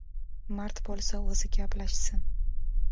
— Mard bo‘lsa o‘zi gaplashsin!